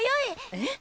えっ？